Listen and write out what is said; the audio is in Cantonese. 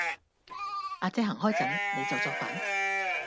亞姐行開陣,你就作反